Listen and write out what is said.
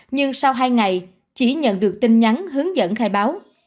nhưng sau hai ngày chỉ nhận được tin nhắn hướng dẫn khai báo